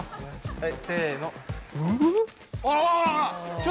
はい。